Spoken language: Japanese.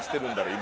今。